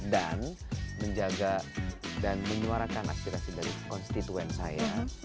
dan menjaga dan menyuarakan aspirasi dari konstituen saya